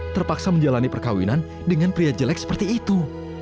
terpaksa menjalani perkawinan dengan pria jelek seperti itu